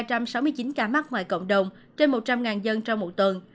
các xã phường ghi nhận nhiều ca mắc ngoài cộng đồng trên một trăm linh dân trong một tuần